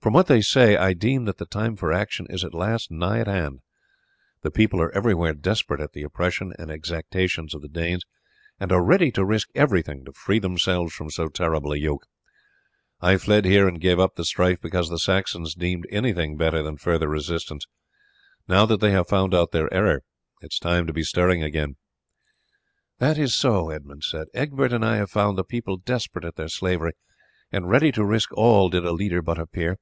From what they say I deem that the time for action is at last nigh at hand. The people are everywhere desperate at the oppression and exactions of the Danes, and are ready to risk everything to free themselves from so terrible a yoke. I fled here and gave up the strife because the Saxons deemed anything better than further resistance. Now that they have found out their error it is time to be stirring again." "That is so," Edmund said; "Egbert and I have found the people desperate at their slavery, and ready to risk all did a leader but appear.